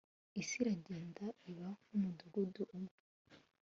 isi iragenda iba nk'umudugudu umwe